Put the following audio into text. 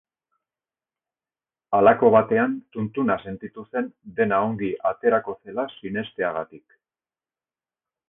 Halako batean tuntuna sentitu zen dena ongi aterako zela sinesteagatik.